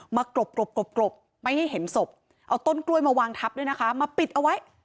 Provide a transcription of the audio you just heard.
กรบไม่ให้เห็นศพเอาต้นกล้วยมาวางทับด้วยนะคะมาปิดเอาไว้